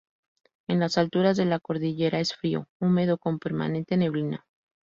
En las alturas de la cordillera es frío, húmedo con permanente neblina.